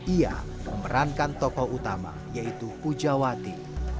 ia memerankan tokoh utama yaitu pujawati